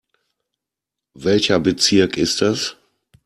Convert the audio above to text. Welcher Bezirk ist das?